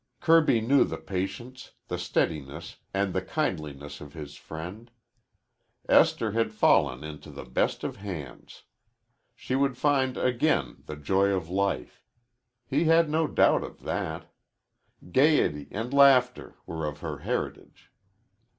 Kirby knew the patience, the steadiness, and the kindliness of his friend. Esther had fallen into the best of hands. She would find again the joy of life. He had no doubt of that. Gayety and laughter were of her heritage.